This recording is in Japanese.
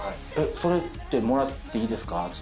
それってもらっていいですかって。